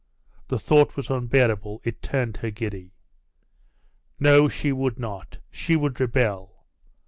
The thought was unbearable; it turned her giddy. No! she would not! She would rebel!